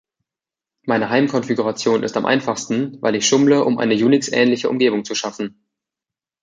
Meine Heim-Konfiguration ist am einfachsten, weil ich schummle, um eine UNIX-ähnliche Umgebung zu schaffen.